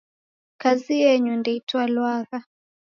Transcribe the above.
Kazi yenyu ndeitalwagha